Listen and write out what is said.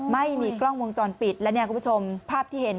ไม่มีกล้องวงจรปิดและเนี่ยคุณผู้ชมภาพที่เห็น